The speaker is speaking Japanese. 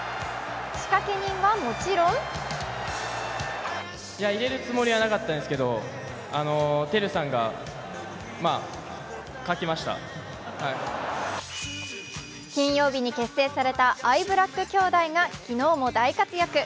仕掛け人はもちろん金曜日に結成されたアイブラック兄弟が昨日も大活躍。